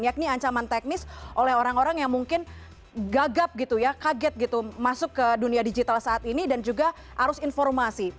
yakni ancaman teknis oleh orang orang yang mungkin gagap gitu ya kaget gitu masuk ke dunia digital saat ini dan juga arus informasi